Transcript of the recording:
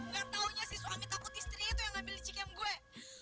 gak tahunya si suami takut istrinya itu yang ambil ici cam gue